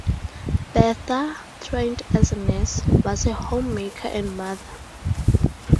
Bertha, trained as a nurse, was a homemaker and mother.